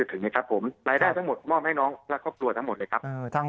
จะถึงนะครับผมรายได้ทั้งหมดมอบให้น้องและครอบตัวทั้ง